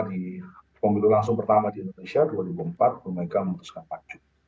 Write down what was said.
di pemilu langsung pertama di indonesia dua ribu empat bumega memutuskan maju